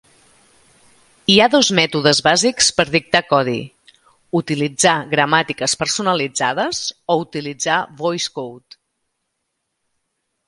Hi ha dos mètodes bàsics per dictar codi: utilitzar gramàtiques personalitzades o utilitzar VoiceCode.